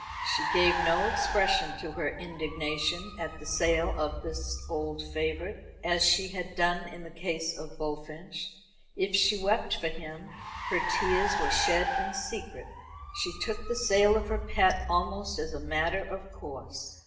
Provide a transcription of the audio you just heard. She gave no expression to her indignation at the sale of this old favourite, as she had done in the case of Bullfinch. If she wept for him, her tears were shed in secret. She took the sale of her pet almost as a matter of course.